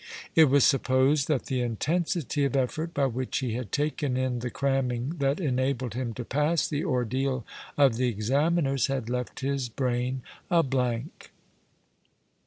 It was supposed that the intensity of effort by which he had taken in the cramming that enabled him to pass the ordeal of the Examiners had left his brain a blank.